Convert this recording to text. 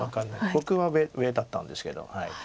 僕は上だったんですけど。